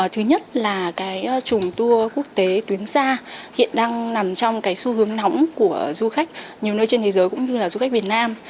thứ nhất là trùng tour quốc tế tuyến xa hiện đang nằm trong xu hướng nóng của du khách nhiều nơi trên thế giới cũng như du khách việt nam